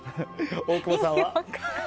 大久保さんは？